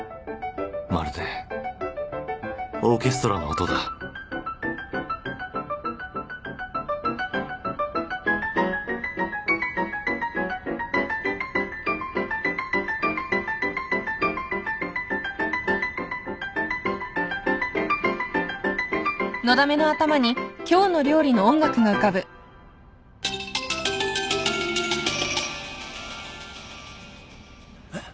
まるでオーケストラの音だえっ？